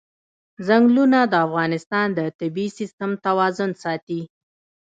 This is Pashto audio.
ځنګلونه د افغانستان د طبعي سیسټم توازن ساتي.